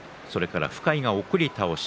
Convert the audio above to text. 深井が送り倒し。